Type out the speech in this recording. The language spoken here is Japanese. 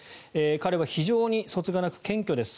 彼は非常にそつがなく謙虚です。